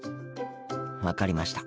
分かりました。